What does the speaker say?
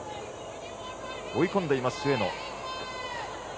追い込んでいます、上野。